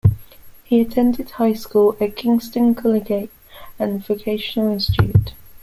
He attended high school at Kingston Collegiate and Vocational Institute.